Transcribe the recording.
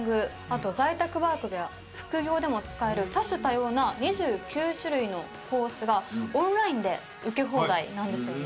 あと在宅ワークや副業でも使える多種多様な２９種類のコースがオンラインで受け放題なんですよ。